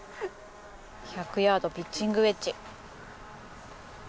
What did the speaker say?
１００ヤードピッチングウェッジ。